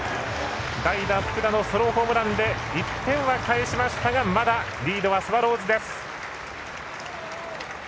代打福田のソロホームランで１点は返しましたがまだリードはスワローズです。